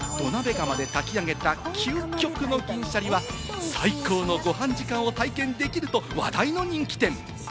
お店の誇る土鍋釜で炊き上げた究極の銀シャリは最高のご飯時間を体験できると話題の人気店。